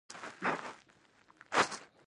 هلته روڼ سهار دی او دلته تور ماښام